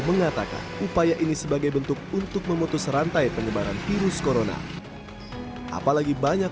mengatakan upaya ini sebagai bentuk untuk memutus rantai penyebaran virus corona apalagi banyak